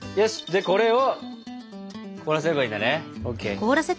でこれを凍らせればいいんだね。ＯＫ。